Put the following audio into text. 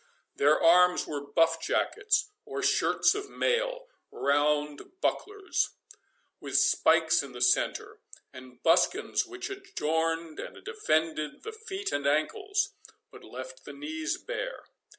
Their arms were buff jackets, or shirts of mail, round bucklers, with spikes in the centre, and buskins which adorned and defended the feet and ankles, but left the knees bare.